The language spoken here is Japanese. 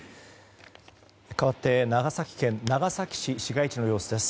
かわって長崎県長崎市市街地の様子です。